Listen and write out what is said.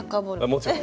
もちろん。